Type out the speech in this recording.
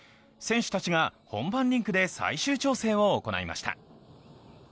選手たちが本番リンクで最終調整を行いました。